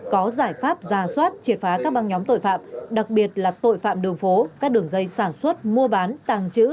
có giải pháp giả soát triệt phá các băng nhóm tội phạm đặc biệt là tội phạm đường phố các đường dây sản xuất mua bán tàng trữ